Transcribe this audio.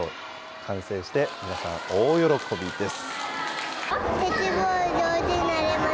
完成して、皆さん、大喜びです。